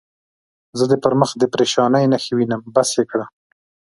زه دې پر مخ د پرېشانۍ نښې وینم، بس یې کړه.